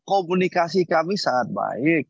komunikasi kami sangat baik